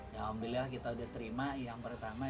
ya alhamdulillah kita udah terima yang pertama